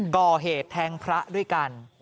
ก่อเหตุแทงพระด้วยกัน